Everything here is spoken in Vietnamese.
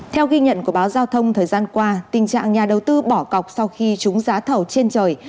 theo ghi nhận của báo giao thông thời gian qua tình trạng nhà đầu tư bỏ cọc sau khi chúng giá thầu trên trời